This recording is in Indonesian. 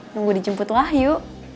nunggu dijemput wahyu